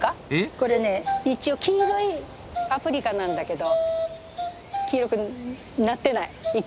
これね一応黄色いパプリカなんだけど黄色くなってない一個も。